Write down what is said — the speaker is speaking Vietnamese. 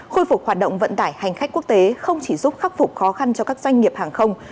khôi phục hoạt động vận tải hành khách quốc tế không chỉ giúp khắc phục khó khăn cho các doanh nghiệp hàng không